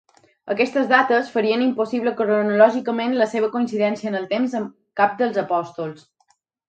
Aquestes dates ferien impossible cronològicament la seva coincidència en el temps amb cap dels apòstols.